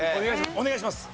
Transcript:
お願いします。